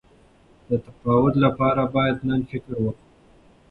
د تقاعد لپاره باید نن فکر وکړو.